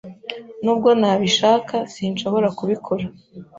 Nubwo nabishaka, sinshobora kubikora.